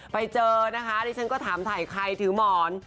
ไปเจอนะคะดิฉันก็ถามถ่ายใครถือหมอน